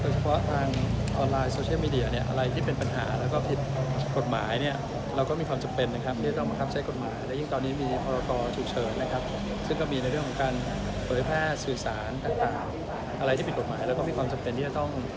เฉพาะทางออนไลน์โซเชียลมีเดีย